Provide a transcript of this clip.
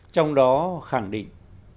trong đó khẳng định